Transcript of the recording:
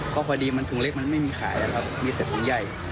เพราะพอดีถุงเล็กมันไม่มีขายมีแต่ถุงใย